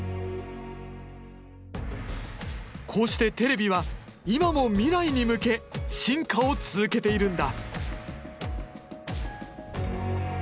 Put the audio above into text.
こうしてテレビは今も未来に向け進化を続けているんだ。